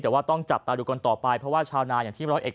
แต่ว่าต้องจับตาดูกก่อนต่อไปเพราะว่าชาวนายอย่างที่บริษัทอัลเอ็กซ์